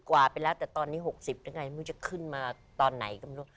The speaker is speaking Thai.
๕๐กว่าไปแล้วแต่ตอนนี้๖๐แล้วไงมันจะขึ้นมาตอนไหนกันไม่รู้